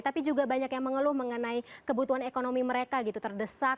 tapi juga banyak yang mengeluh mengenai kebutuhan ekonomi mereka gitu terdesak